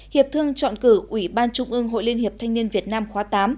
hiệp thương chọn cử ủy ban trung ương hội liên hiệp thanh niên việt nam khóa tám